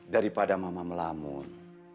daripada mama melamun